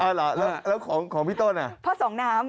อ่าหรอแล้วของพี่ต้นอ่ะ